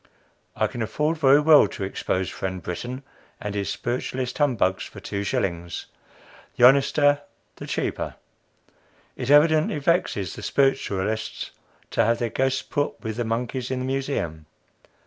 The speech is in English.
I can afford very well to expose friend Brittan and his spiritualist humbugs for two shillings. The honester the cheaper. It evidently vexes the spiritualists to have their ghosts put with the monkeys in the Museum.